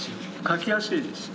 描きやすいです。